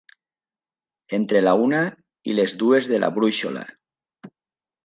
Entre la una i les dues de la brúixola.